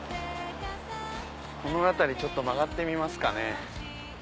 この辺りちょっと曲がってみますかね。